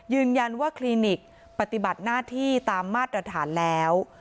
ยืนยันว่าคลินิกปฏิบัติหน้าที่ตามมาตรฐานแล้ว